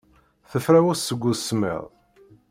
Tefrawes seg usemmiḍ.